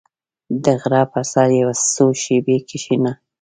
• د غره پر سر یو څو شېبې کښېنه.